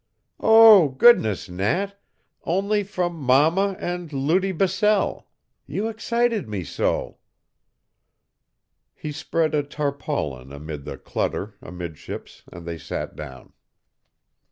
"Oh, goodness, Nat only from mama and Lutie Bissell. You excited me so!" He spread a tarpaulin amid the clutter amidships and they sat down.